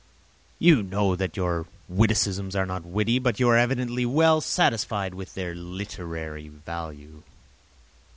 You know that your witticisms are not witty, but you are evidently well satisfied with their literary value.